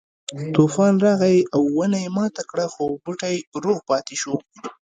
طوفان راغی او ونه یې ماته کړه خو بوټی روغ پاتې شو.